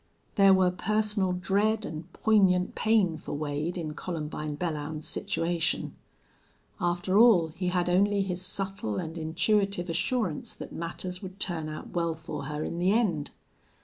There were personal dread and poignant pain for Wade in Columbine Belllounds's situation. After all, he had only his subtle and intuitive assurance that matters would turn out well for her in the end.